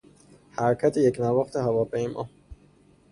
حرکت یکنواخت هواپیما